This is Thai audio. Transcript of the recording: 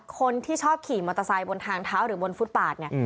คนที่ชอบขี่มอเตอร์ไซค์บนทางเท้าหรือบนฟุตปาดเนี่ย